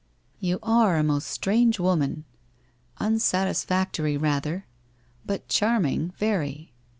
1 You are a most strange woman. Unsatisfactory, rather — but charming, very!'